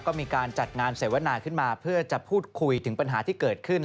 ก็มีการจัดงานเสวนาขึ้นมาเพื่อจะพูดคุยถึงปัญหาที่เกิดขึ้น